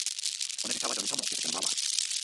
ona li tawa lon tomo kepeken wawa.